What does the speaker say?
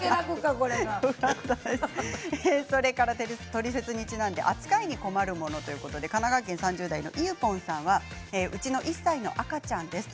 トリセツにちなんで扱いに困るものということで神奈川県３０代の方はうちの１歳の赤ちゃんです。